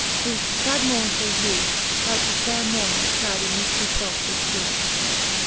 whofe fad mournefull hew Like the faire morning clad in mifty fog did fhew. IV.